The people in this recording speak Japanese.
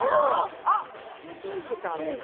あっピンクちゃんですね